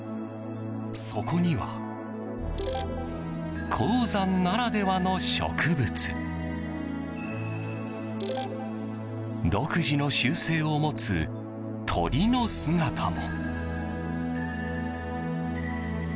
そこには、高山ならではの植物独自の習性を持つ鳥の姿も。